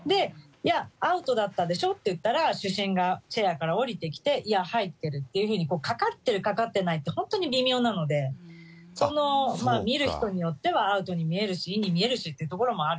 アウトだったでしょって言ったら、主審がチェアから降りてきて、いや、入ってるっていうふうに、かかってるかかってないって、本当に微妙なので、その見る人によっては、アウトに見えるし、インに見えるしってところもあるので。